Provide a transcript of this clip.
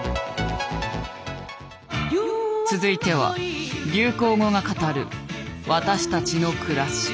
続いては流行語が語るわたしたちのくらし。